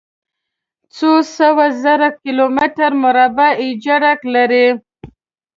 څو سوه زره کلومتره مربع اېجره لري.